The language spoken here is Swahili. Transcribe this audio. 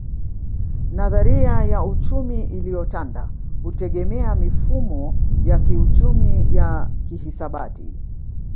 Nadharia ya uchumi iliyotanda hutegemea mifumo ya kiuchumi ya kihisabati